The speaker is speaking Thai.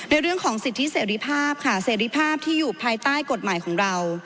เรื่องของสิทธิเสรีภาพค่ะเสรีภาพที่อยู่ภายใต้กฎหมายของเรา